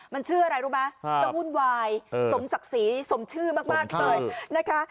มันชื่ออะไรรู้ไหมจะวุ่นวายสมศักดิ์ศรีสมชื่อมากเลยนะคะ